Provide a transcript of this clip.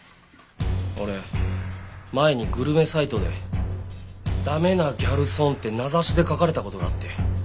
俺前にグルメサイトで「駄目なギャルソン」って名指しで書かれた事があって。